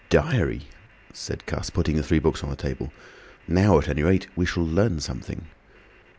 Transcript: "Diary!" said Cuss, putting the three books on the table. "Now, at any rate, we shall learn something."